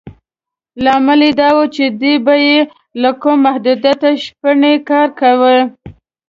لامل یې دا و چې دې به بې له کوم محدودیته شپنی کار کاوه.